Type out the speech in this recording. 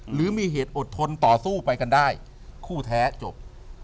หรือมีเหตุอดทนต่อสู้ไปกันได้คู่แท้จบ